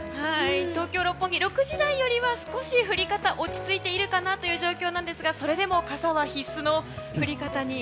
東京・六本木は６時台よりは降り方落ち着いているかなという状況なんですがそれでも傘は必須の降り方に。